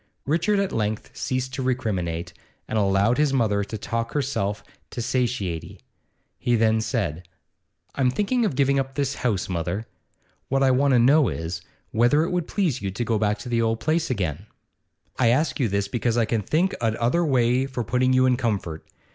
Richard at length ceased to recriminate, and allowed his mother to talk herself to satiety. He then said: 'I'm thinking of giving up this house, mother. What I want to know is, whether it would please you to go back to the old place again? I ask you because I can think of ud other way for putting you in comfort.